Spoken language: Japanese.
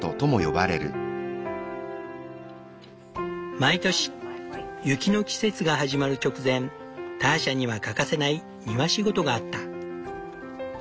毎年雪の季節が始まる直前ターシャには欠かせない庭仕事があった。